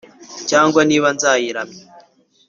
cyangwa niba nzayiramya